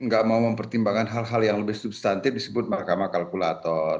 gak mau mempertimbangkan hal hal yang lebih substantif disebut mahkamah kalkulator